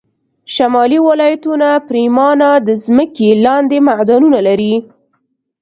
شمالي ولایتونه پرېمانه د ځمکې لاندې معدنونه لري